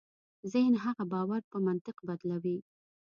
ذهن هغه باور په منطق بدلوي.